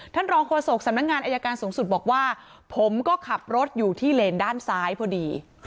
รองโฆษกสำนักงานอายการสูงสุดบอกว่าผมก็ขับรถอยู่ที่เลนด้านซ้ายพอดี